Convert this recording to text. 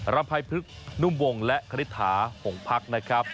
รำไพพรึกนุ่มวงและกฤทธาหงพรรคนะครับ